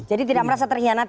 jadi tidak merasa terhianati